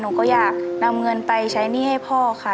หนูก็อยากนำเงินไปใช้หนี้ให้พ่อค่ะ